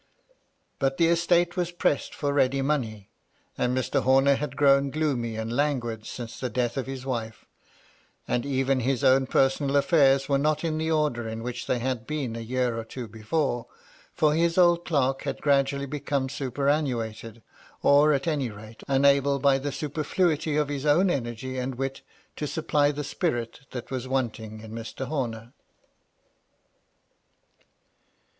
But the estate was pressed for ready money, and Mr. Homer had grown gloomy and languid since the death of his wife, and even his own personal affairs were not in the order in which they had been a year or two before, for his old derk had gradually become superannuated, or, at any rate, unable by the super fluity of his own energy and wit to supply the spirit that was wanting in Mr. Homer.